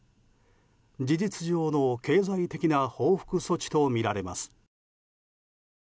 事実上の経済的な報復措置とみられます。